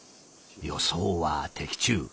予想は的中。